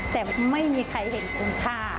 แต่ไม่มีใครเห็นจุดรุ่งค่า